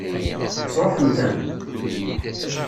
Tesṛuḥem-ten?